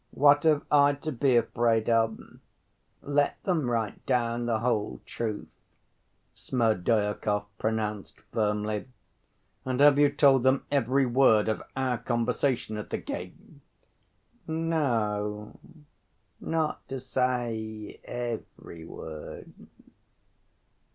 "What have I to be afraid of? Let them write down the whole truth," Smerdyakov pronounced firmly. "And have you told them every word of our conversation at the gate?" "No, not to say every word."